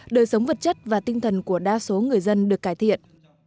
đời sống vật chất và tinh thần của đa số người dân được cải thiện